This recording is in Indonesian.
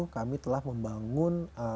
kami telah membangun